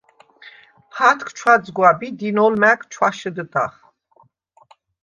ფათქ ჩვაძგვაბ ი დინოლ მა̈გ ჩვაშჷდდახ.